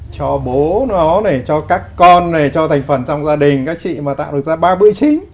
cho bố nó này cho các con này cho thành phần trong gia đình các chị mà tạo ra ba bữa chính